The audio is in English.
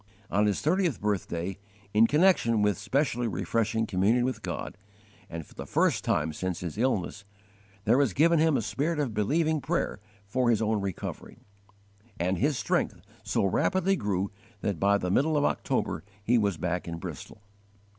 On his thirtieth birthday, in connection with specially refreshing communion with God, and for the first time since his illness, there was given him a spirit of believing prayer for his own recovery; and his strength so rapidly grew that by the middle of October he was back in Bristol.